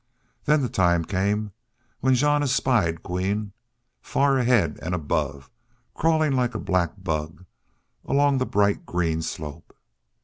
Then the time came when Jean espied Queen, far ahead and above, crawling like a black bug along the bright green slope.